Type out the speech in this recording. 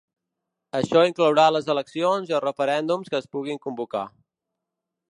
Això inclourà les eleccions i els referèndums que es puguin convocar.